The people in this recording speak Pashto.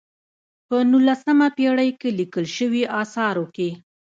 په نولسمه پېړۍ کې لیکل شویو آثارو کې.